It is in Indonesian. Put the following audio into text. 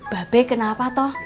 babe kenapa toh